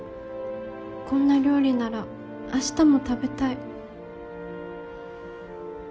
こんな料理ならあしたも食べたい。